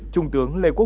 trung tướng lê quốc hội